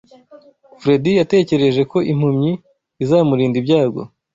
Fredy yatekereje ko impumyi izamurinda ibyago